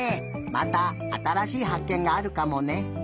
またあたらしいはっけんがあるかもね。